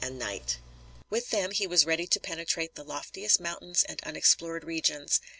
With them he was ready to penetrate the loftiest mountains and unexplored regions.